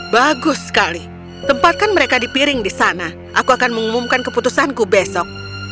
bagus sekali tempatkan mereka di piring di sana aku akan mengumumkan keputusanku besok